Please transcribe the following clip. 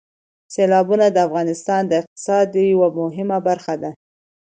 سیلابونه د افغانستان د اقتصاد یوه مهمه برخه ده.